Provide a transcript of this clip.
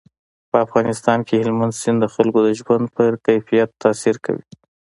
په افغانستان کې هلمند سیند د خلکو د ژوند په کیفیت تاثیر کوي.